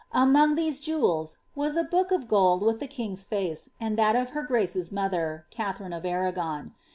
Among these jevrela was a *• book of gold with the king's face, and thai of her grace's tnother (Katharine of Arragonl."